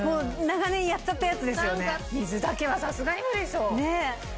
水だけはさすがに無理でしょ。え！